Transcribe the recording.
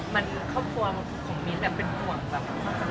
มันครอบครัวของมิ้นเป็นห่วงแบบ